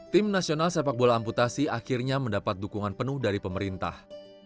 tim nasional sepak bola amputasi akhirnya mendapat dukungan penuh dari pemerintah